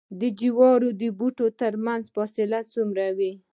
د جوارو د بوټو ترمنځ فاصله څومره وي؟